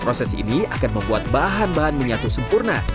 proses ini akan membuat bahan bahan menyatu sempurna